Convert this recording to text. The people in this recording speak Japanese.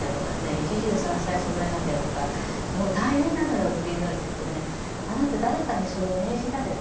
一汁三菜そろえなきゃとかもう大変なのよというふうなのを聞くとねあなた誰かにそれ命じられた？